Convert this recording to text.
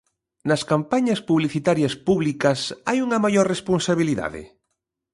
Nas campañas publicitarias públicas hai unha maior responsabilidade?